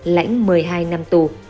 lãnh một mươi hai năm tù